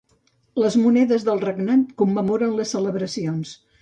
Les monedes del regnat commemoren les celebracions.